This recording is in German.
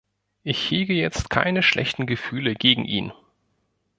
Ich hege jetzt keine schlechten Gefühle gegen ihn.